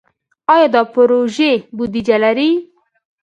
آیا دا پروژې بودیجه لري؟